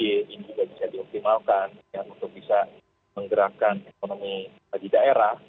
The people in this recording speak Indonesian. ini juga bisa dioptimalkan untuk bisa menggerakkan ekonomi di daerah